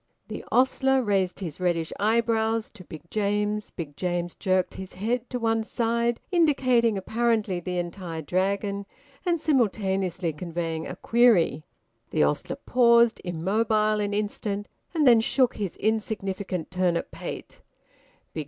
The ostler raised his reddish eyebrows to Big James. Big James jerked his head to one side, indicating apparently the entire Dragon, and simultaneously conveying a query. The ostler paused immobile an instant and then shook his insignificant turnip pate.